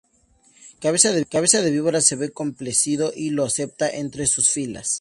Cabeza de Víbora se ve complacido y lo acepta entre sus filas.